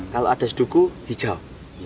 kalau adas duku hijau